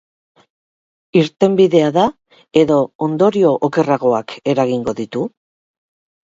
Irtenbidea da edo ondorio okerragoak eragingo ditu?